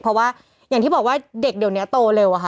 เพราะว่าอย่างที่บอกว่าเด็กเดี๋ยวนี้โตเร็วอะค่ะ